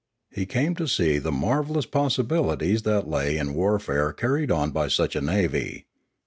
He came to see the mar vellous possibilities that lay in warfare carried on by such a navy.